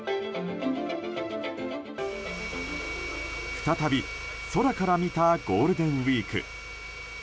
再び、空から見たゴールデンウィーク。